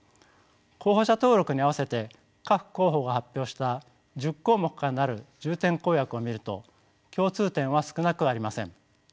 候補者登録に合わせて各候補が発表した１０項目から成る重点公約を見ると共通点は少なくありません。